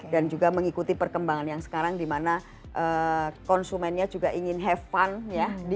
dan juga mengikuti perkembangan yang sekarang dimana konsumennya juga ingin have fun ya